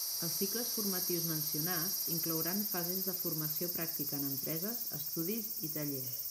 Els cicles formatius mencionats inclouran fases de formació pràctica en empreses, estudis i tallers.